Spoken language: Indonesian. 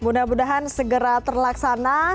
mudah mudahan segera terlaksana